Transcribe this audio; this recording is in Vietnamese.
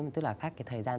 tức là khác cái thời gian